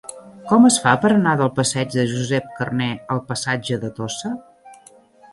Com es fa per anar del passeig de Josep Carner al passatge de Tossa?